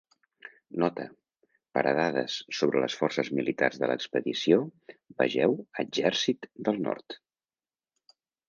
Nota: per a dades sobre les forces militars de l'expedició, vegeu Exèrcit del Nord.